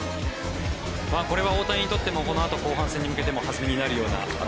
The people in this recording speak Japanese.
これは大谷にとってもこのあと後半戦に向けても弾みになるような試合でしたね。